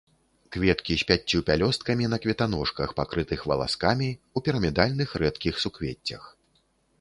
Кветкі з пяццю пялёсткамі, на кветаножках, пакрытых валаскамі, у пірамідальных рэдкіх суквеццях.